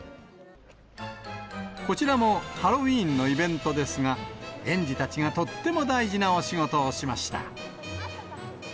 こちらもハロウィーンのイベントですが、園児たちがとっても大事なお仕事をしました。